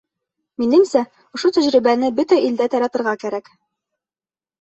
Минеңсә, ошо тәжрибәне бөтә илдә таратырға кәрәк.